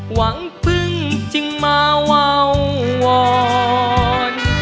หวังพึ่งจึงมาวาวอน